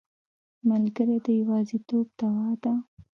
ملګری د یوازیتوب دوا ده.